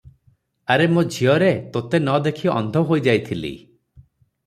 'ଆରେ ମୋଝିଅରେ, ତୋତେ ନ ଦେଖି ଅନ୍ଧ ହୋଇଯାଇଥିଲି ।